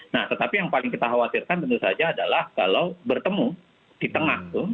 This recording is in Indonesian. nah tetapi yang paling kita khawatirkan tentu saja adalah kalau bertemu di tengah tuh